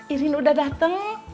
irin udah dateng